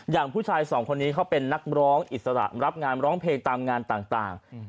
อย่างผู้ชายสองคนนี้เขาเป็นนักร้องอิสระรับงานร้องเพลงตามงานต่าง